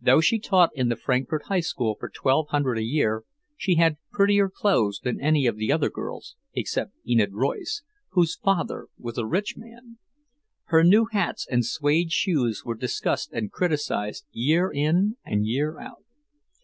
Though she taught in the Frankfort High School for twelve hundred a year, she had prettier clothes than any of the other girls, except Enid Royce, whose father was a rich man. Her new hats and suede shoes were discussed and criticized year in and year out.